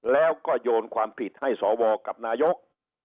แล้วก็โยนความผิดให้สวกับนายก